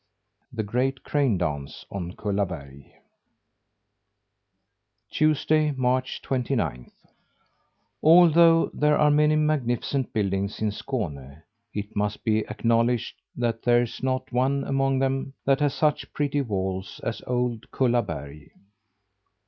THE GREAT CRANE DANCE ON KULLABERG Tuesday, March twenty ninth. Although there are many magnificent buildings in Skåne, it must be acknowledged that there's not one among them that has such pretty walls as old Kullaberg.